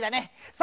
さ